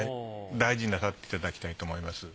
大事になさっていただきたいと思います。